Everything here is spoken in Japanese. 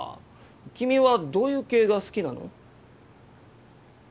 君はどういう系が好きなの？